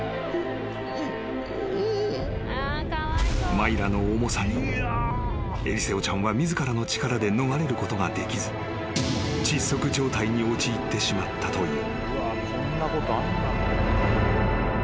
［マイラの重さにエリセオちゃんは自らの力で逃れることができず窒息状態に陥ってしまったという］